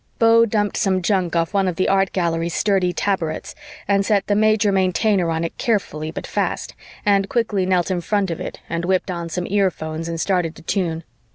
Beau dumped some junk off one of the Art Gallery's sturdy taborets and set the Major Maintainer on it carefully but fast, and quickly knelt in front of it and whipped on some earphones and started to tune.